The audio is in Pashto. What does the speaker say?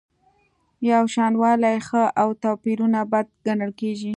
یوشانوالی ښه او توپیرونه بد ګڼل کیږي.